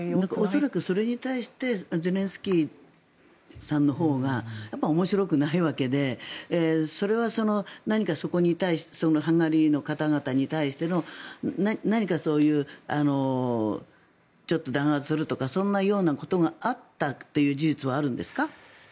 恐らく、それに対してゼレンスキーさんのほうが面白くないわけでそれは何かそこに対してハンガリーの方々に対しての何か弾圧するとかそんなようなことがあったという事実はあるんですか？